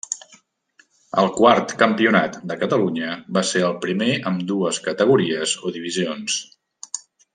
El quart Campionat de Catalunya va ser el primer amb dues categories o divisions.